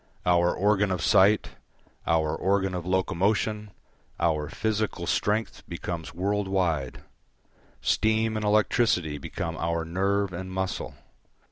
Our organ of sight, our organ of locomotion, our physical strength becomes world wide; steam and electricity become our nerve and muscle.